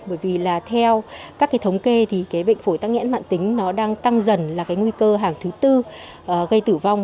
bởi vì là theo các cái thống kê thì cái bệnh phổi tắc nghẽn mạng tính nó đang tăng dần là cái nguy cơ hàng thứ tư gây tử vong